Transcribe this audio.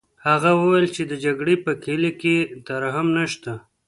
هغه وویل چې د جګړې په کلي کې ترحم نشته